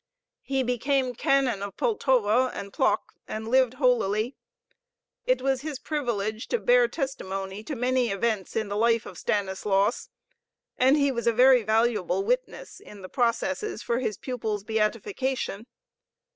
He became Canon of Pultowa and Plock and lived holily. It was his privilege to bear testimony to many events in the life of Stanislaus, and he was a very valuable witness in the "processes" for his pupil's beatification.